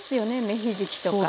芽ひじきとか。